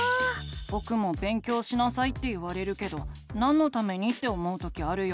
ぼくも「勉強しなさい」って言われるけどなんのためにって思う時あるよ。